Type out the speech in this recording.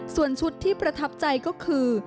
ส่วนชุดที่ประทับใจก็คือ